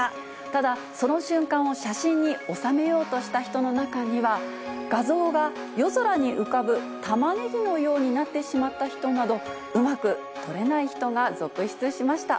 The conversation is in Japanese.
ただ、その瞬間を写真に収めようとした人の中には、画像が夜空に浮かぶタマネギのようになってしまった人など、うまく撮れない人が続出しました。